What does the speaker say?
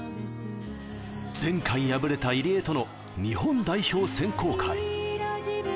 前回敗れた入江との日本代表選考会。